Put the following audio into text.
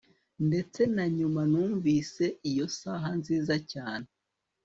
Ndetse na nyuma numvise iyo saha nziza cyane